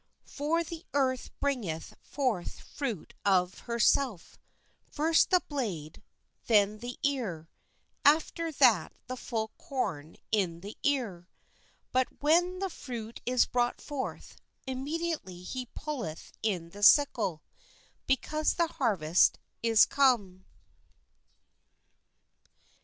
For the earth bringeth forth fruit of herself; first the blade, then the ear, aft er that the full corn in the ear. But when the fruit is brought forth, immediately he putteth in the sickle, be cause the harvest is come.